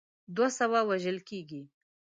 دوه سوه وژل کیږي.